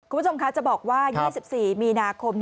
คุณผู้ชมคะจะบอกว่า๒๔มีนาคม